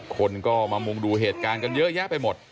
คนก็มามุงดูเหตุการณ์กันเยอะแยะไปหมด